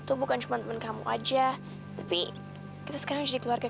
sampai jumpa di video selanjutnya